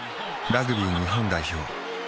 ・ラグビー日本代表